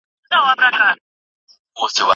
وګړي بايد کليشه يي او تپلي کتابونه ونه لولي.